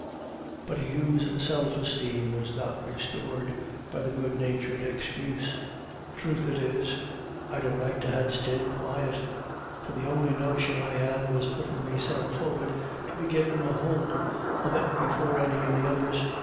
But Hugh's self esteem was not restored by the good natured excuse. He said: "Truth it is, I'd a right to ha' sted quiet. For the on'y notion I had was puttin' meself for'ard to be gettin' a hould of it before any of the others."